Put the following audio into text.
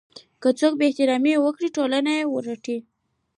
که څوک بې احترامي وکړي ټولنه یې ورټي.